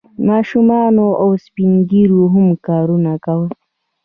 ماشومانو او سپین ږیرو هم کارونه کول.